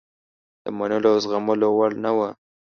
د منلو او زغملو وړ نه وه.